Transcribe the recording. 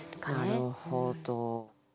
なるほど。